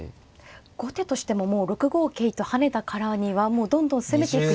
後手としてももう６五桂と跳ねたからにはもうどんどん攻めていくしか。